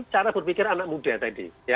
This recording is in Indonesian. cara berpikir anak muda tadi